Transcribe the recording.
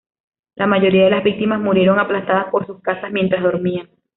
La mayoría de las víctimas murieron aplastadas por sus casas mientras dormían.